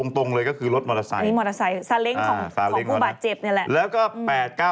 ตรงเลยก็คือรถมอเตอร์สายซาเล้งของผู้บาดเจ็บนี่แหละ